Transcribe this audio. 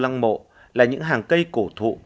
năng mộ là những hàng cây cổ thụ